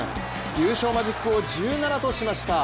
優勝マジックを１７としました。